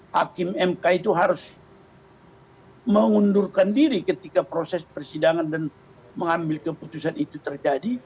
hakim mk itu harus mengundurkan diri ketika proses persidangan dan mengambil keputusan itu terjadi